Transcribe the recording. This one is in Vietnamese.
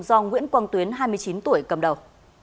do nguyễn quang tuyến hai mươi chín tuổi cầm đầu